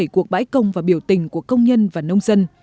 cuộc bãi công và biểu tình của công nhân và nông dân